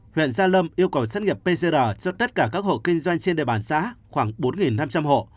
huyện gia lâm yêu cầu xét nghiệm pcr cho tất cả các hộ kinh doanh trên địa bàn xã khoảng bốn năm trăm linh hộ